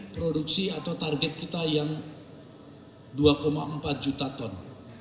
produksi atau target kita yang dua empat juta ton